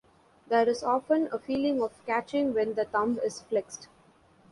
There is often a feeling of catching when the thumb is flexed.